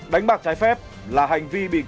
đánh bạc trái phép là hành vi bị cướp